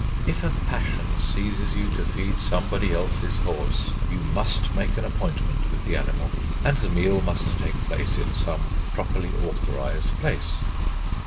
If a passion seizes you to feed somebody else's horse, you must make an appointment with the animal, and the meal must take place in some properly authorised place.